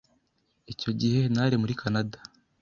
Icyo gihe, nari muri Kanada.